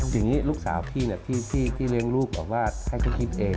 อย่างนี้ลูกสาวพี่เนี่ยพี่เลี้ยงลูกบอกว่าให้พี่คิดเอง